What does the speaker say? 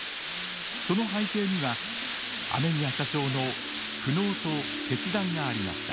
その背景には雨宮社長の苦悩と決断がありました。